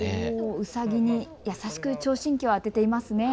ウサギに優しく聴診器を当てていますね。